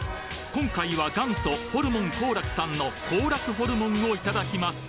今回は元祖ホルモン幸楽さんの幸楽ホルモンをいただきます